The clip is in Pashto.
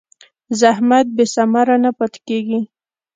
زحمت بېثمره نه پاتې کېږي.